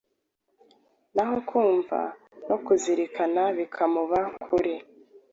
naho kumva no kuzirikana bikamuba kure.